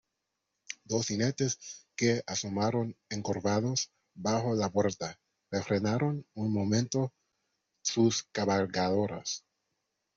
dos jinetes que asomaron encorvados bajo la puerta, refrenaron un momento sus cabalgaduras